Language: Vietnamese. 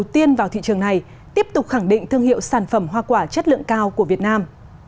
đầu tiên vào thị trường này tiếp tục khẳng định thương hiệu sản phẩm hoa quả chất lượng cao của việt nam